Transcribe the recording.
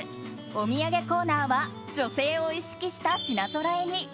お土産コーナーは女性を意識した品ぞろえに。